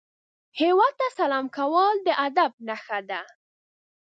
هیواد ته سلام کول د ادب نښه ده